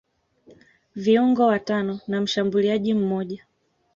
viungo watano na mshambuliaji mmoja